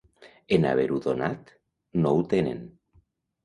En haver-ho donat, no ho tenen.